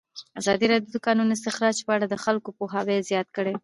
ازادي راډیو د د کانونو استخراج په اړه د خلکو پوهاوی زیات کړی.